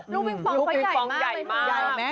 ลูกบิงฟองก็ใหญ่มาก